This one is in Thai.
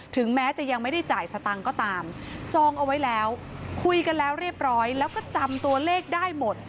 ถึงแม้จะยังไม่ได้จ่ายสตังค์ก็ตามจองเอาไว้แล้วคุยกันแล้วเรียบร้อยแล้วก็จำตัวเลขได้หมด